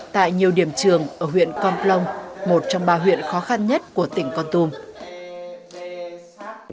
tại nhiều điểm trường ở huyện con plong một trong ba huyện khó khăn nhất của tỉnh con tum